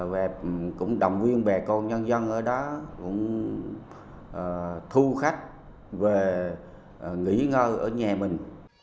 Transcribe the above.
và cũng động viên bà con nhân dân ở đó cũng thu khách về nghỉ ngơi ở nhà mình